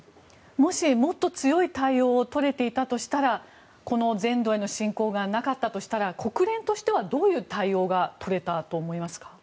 もし、もっと強い対応をとれていたとしたらこの全土への侵攻がなかったとしたら国連としては、どういう対応が取れたと思いますか？